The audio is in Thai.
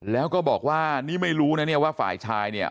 แล้วก็บอกว่านี่ไม่รู้นะเนี่ยว่าฝ่ายชายเนี่ย